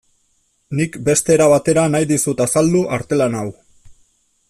Nik beste era batera nahi dizut azaldu artelan hau.